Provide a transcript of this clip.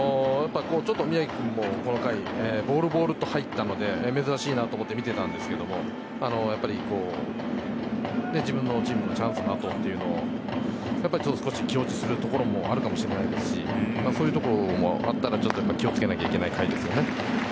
ちょっと宮城君もこの回ボールボールと入ったので珍しいと思って見てたんですけどやっぱり自分のチームのチャンスの後というのを少し気落ちするところもあるかもしれないですしそういうところもあったら気をつけなきゃいけない回ですよね。